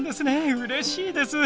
うれしいです。